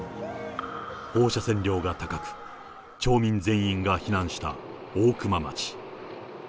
放射線量が高く、町民全員が避難した大熊町。